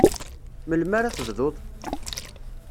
Melmi ara tebduḍ?